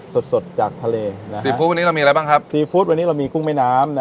สดสดจากทะเลซีฟู้ดวันนี้เรามีอะไรบ้างครับซีฟู้ดวันนี้เรามีกุ้งแม่น้ำ